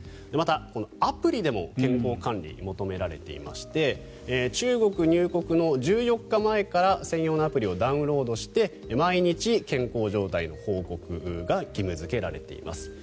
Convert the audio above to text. また、アプリでも健康管理を求められていまして中国入国の１４日前から専用のアプリを入れて毎日、健康状態の報告が義務付けられています。